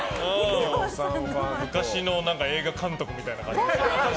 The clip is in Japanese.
昔の映画監督みたいな感じの。